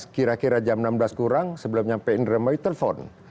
kira kira jam enam belas kurang sebelumnya pak indramayu telpon